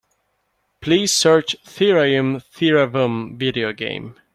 Please search Thirayum Theeravum video game.